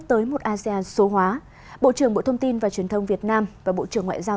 tới một asean số hóa bộ trưởng bộ thông tin và truyền thông việt nam và bộ trưởng ngoại giao